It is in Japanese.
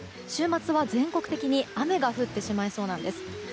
週末は全国的に雨が降ってしまいそうなんです。